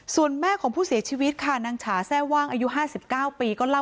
ส่วนแม่ของผู้เสียชีวิตค่ะนางฉาแทร่ว่างอายุ๕๙ปีก็เล่า